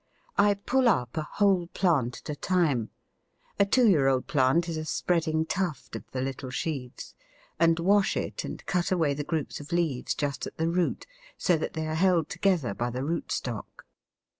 I pull up a whole plant at a time a two year old plant is a spreading tuft of the little sheaves and wash it and cut away the groups of leaves just at the root, so that they are held together by the root stock.